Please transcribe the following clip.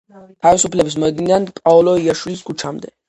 თავისუფლების მოედნიდან პაოლო იაშვილის ქუჩამდე.